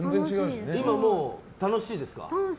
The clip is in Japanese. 今、楽しいですか？